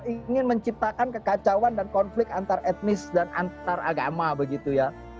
ingin menciptakan kekacauan dan konflik antar etnis dan antar agama begitu ya